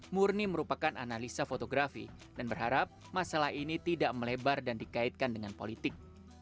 murni merupakan analisa fotografi dan berharap masalah ini tidak melebar dan dikaitkan dengan politik